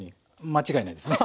間違いないですね。